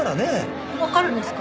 わかるんですか？